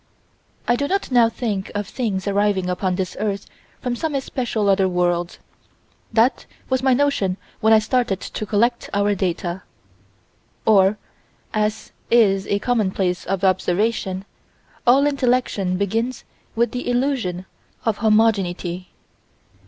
I do not now think of things arriving upon this earth from some especial other world. That was my notion when I started to collect our data. Or, as is a commonplace of observation, all intellection begins with the illusion of homogeneity.